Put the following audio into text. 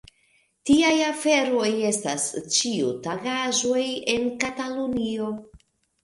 Tiaj aferoj estas ĉiutagaĵoj en Katalunio.